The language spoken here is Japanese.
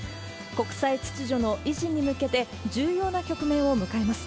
国際秩序の維持に向けて、重要な局面を迎えます。